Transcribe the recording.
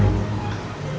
saya dapet bantuan